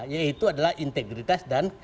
yaitu adalah integritas dan